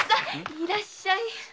いらっしゃい。